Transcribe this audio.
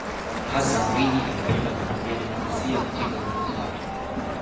hassan mwinyi alipenda kutumia demokrasia katika uongozi wake